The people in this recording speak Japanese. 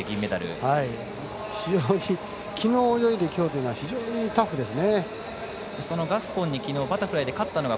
非常にきのう泳いできょうというのは非常にタフですね。